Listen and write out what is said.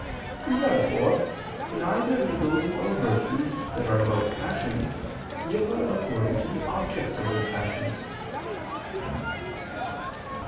Therefore neither do those moral virtues that are about passions differ according to the objects of those passions.